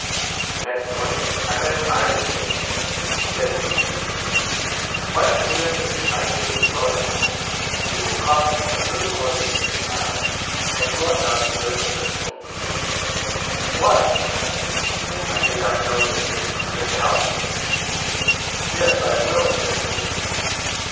The next morning I met an Irish lady. Said she to me : "Why don't you rent this nice little dwelling house. It will cost you but little more than you pay now, and you ought not to live with such folks ?" Why?" said I ; "I did not know that you would rent the house to me." " Yes I will," said she.